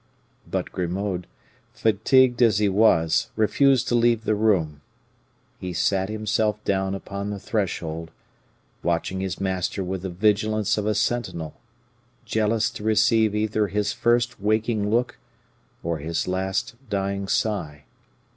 But Grimaud, fatigued as he was, refused to leave the room. He sat himself down upon the threshold, watching his master with the vigilance of a sentinel, jealous to receive either his first waking look or his last dying sigh.